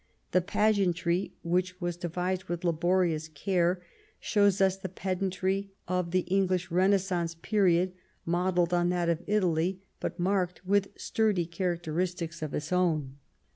The pageantry, which was devised with laborious care, shows us the pedantry of the English Renaissance period, modelled on that of Italy, but marked with sturdy characteristics of its own.